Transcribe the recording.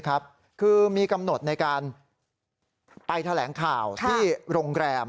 คือมีกำหนดในการไปแถลงข่าวที่โรงแรม